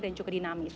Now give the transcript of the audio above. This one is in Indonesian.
dan cukup dinamis